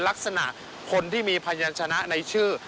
ลักษณะคนที่มีพยานชนะในชื่อ